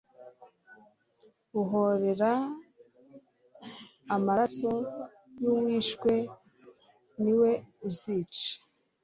Uhorera l amaraso y uwishwe ni we uzica